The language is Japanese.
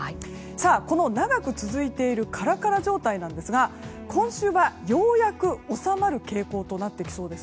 この長く続いているカラカラ状態ですが今週はようやく収まる傾向となってきそうです。